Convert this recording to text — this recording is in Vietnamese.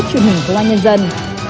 truyền hình của ngoan nhân dân